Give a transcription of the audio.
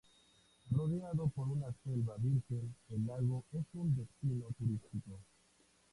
Rodeado por una selva virgen, el lago es un destino turístico.